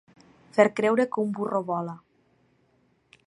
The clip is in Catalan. Fer creure que un burro vola.